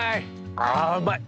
あうまい！